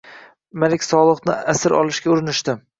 Malik Solihni asir olishga urinishdi